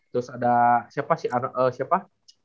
terus ada siapa si arnold siapa